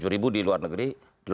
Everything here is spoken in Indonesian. tujuh ribu di luar negeri